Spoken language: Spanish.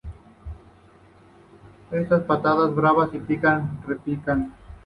Estas patatas bravas pican y repican